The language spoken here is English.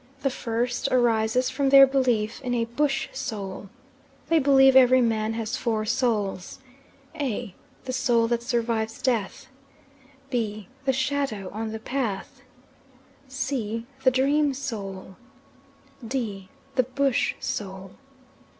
The first arises from their belief in a bush soul. They believe every man has four souls: a, the soul that survives death; b, the shadow on the path; c, the dream soul; d, the bush soul.